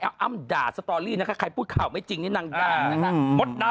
อ้ำด่าสตอรี่นะคะใครพูดข่าวไม่จริงนี่นางด่านะคะ